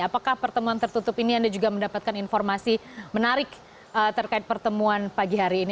apakah pertemuan tertutup ini anda juga mendapatkan informasi menarik terkait pertemuan pagi hari ini